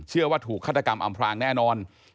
เชื่อว่าถูกฆาตกรรมอัมพลางแน่นอน